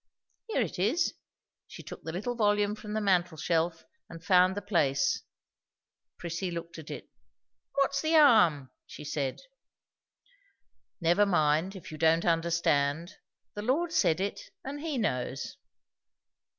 Here it is." She took the little volume from the mantel shelf and found the place. Prissy looked at it. "What's the harm?" she said. "Never mind, if you don't understand. The Lord said it; and he knows."